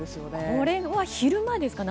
これは昼間ですか？